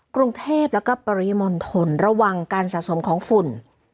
กรุงเทพแล้วก็ปริมณฑลระวังการสะสมของฝุ่น